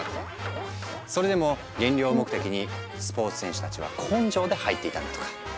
それでも減量目的にスポーツ選手たちは根性で入っていたんだとか。